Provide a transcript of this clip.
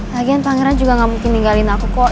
lagian pangeran juga gak mungkin ninggalin aku kok